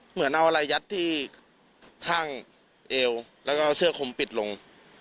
เหมือนเอาอะไรยัดที่ข้างเอวแล้วก็เอาเสื้อคมปิดลง